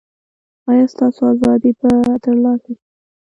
ایا ستاسو ازادي به ترلاسه شي؟